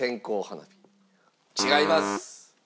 違います。